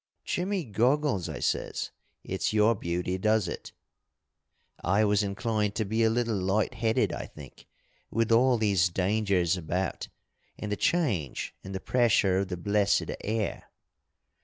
'Jimmy Goggles,' I says, 'it's your beauty does it.' I was inclined to be a little light headed, I think, with all these dangers about and the change in the pressure of the blessed air.